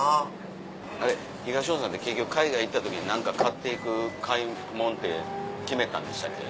東野さんって海外に行った時に何か買っていく買い物って決めてたんでしたっけ？